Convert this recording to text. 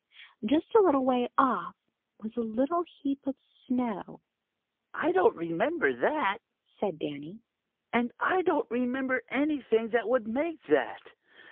Just a little way off was a little heap of snow. "I don't remember that," said Danny. "And I don't remember anything that would make that.